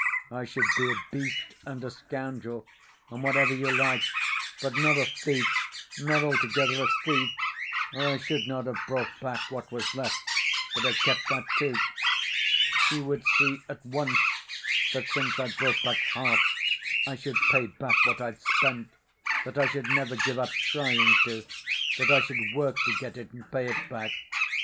I should be a beast and a scoundrel, and whatever you like; but not a thief, not altogether a thief, or I should not have brought back what was left, but have kept that, too. She would see at once that since I brought back half, I should pay back what I'd spent, that I should never give up trying to, that I should work to get it and pay it back.